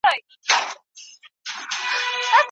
څېړونکی د موضوع اصلي ټکی څنګه مومي؟